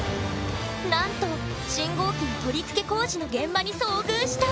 なんと信号機の取り付け工事の現場に遭遇した！